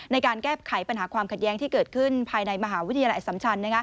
ในการแก้ไขปัญหาความขัดแย้งที่เกิดขึ้นภายในมหาวิทยาลัยอสัมชัน